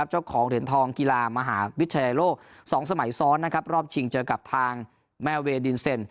เจ้าของเหรียญทองกีฬามหาวิทยาลัยโลก๒สมัยซ้อนนะครับรอบชิงเจอกับทางแม่เวดินเซ็น